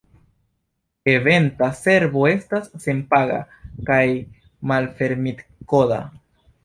Eventa Servo estas senpaga kaj malfermitkoda.